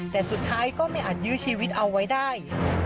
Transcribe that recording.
แต่สุดท้ายก็ไม่อาจยื้อชีวิตเอาไว้ได้